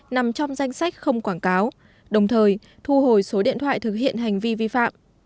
nằm trong danh sách không quảng cáo đồng thời thu hồi số điện thoại thực hiện hành vi vi phạm